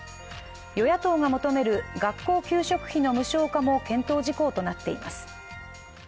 与野党が求める学校給食費の無償化も検討事項となっています。